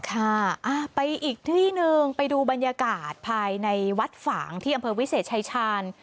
ค่ะไปอีกที่หนึ่งไปดูบรรยากาศภายในวัดฝางที่อำเภอวิเศษชายชาญ